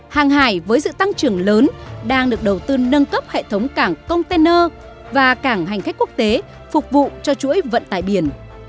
hàng hải với sự tăng trưởng lớn đang được đầu tư nâng cấp hệ thống cảng container và cảng hành khách quốc tế phục vụ cho chuỗi vận tải biển